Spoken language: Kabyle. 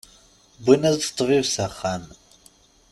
Wwin-as-d ṭṭbib s axxam.